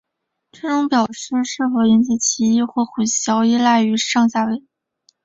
这种表示是否引起歧义或混淆依赖于上下文。